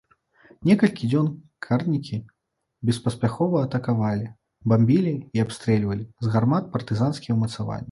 Некалькі дзён карнікі беспаспяхова атакавалі, бамбілі і абстрэльвалі з гармат партызанскія ўмацаванні.